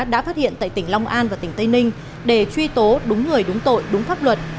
đã phát hiện tại tỉnh long an và tỉnh tây ninh để truy tố đúng người đúng tội đúng pháp luật